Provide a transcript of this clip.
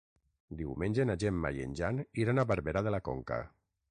Diumenge na Gemma i en Jan iran a Barberà de la Conca.